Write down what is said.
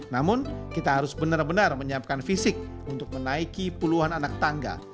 namun kita harus benar benar menyiapkan fisik untuk menaiki puluhan anak tangga